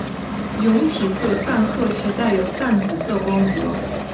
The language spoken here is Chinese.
蛹体色淡褐且带有淡紫色光泽。